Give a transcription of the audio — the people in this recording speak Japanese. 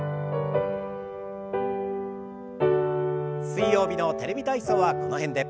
水曜日の「テレビ体操」はこの辺で。